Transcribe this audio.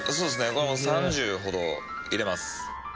これはもう３０ほど入れます。